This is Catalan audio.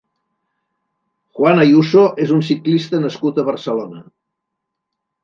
Juan Ayuso és un ciclista nascut a Barcelona.